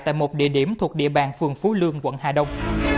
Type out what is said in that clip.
tại một địa điểm thuộc địa bàn phường phú lương quận hà đông